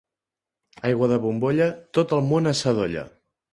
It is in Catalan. Aigua de bombolla, tot el món assadolla.